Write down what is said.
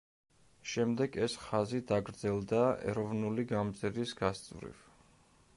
შემდეგ ეს ხაზი დაგრძელდა ეროვნული გამზირის გასწვრივ.